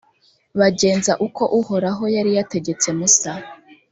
bagenza uko uhoraho yari yategetse musa.